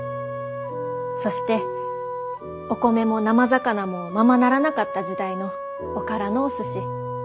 そしてお米も生魚もままならなかった時代のおからのお寿司。